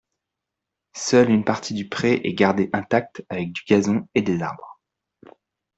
Seule une partie du pré est gardée intacte avec du gazon et des arbres.